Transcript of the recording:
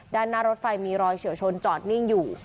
ด้านหน้ารถไฟมีรอยเฉียวชนจอดนิ่งอยู่